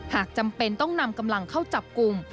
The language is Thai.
จำเป็นต้องนำกำลังเข้าจับกลุ่ม